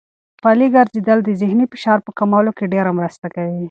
پلي ګرځېدل د ذهني فشار په کمولو کې ډېره مرسته کوي.